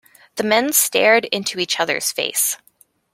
The men stared into each other's face.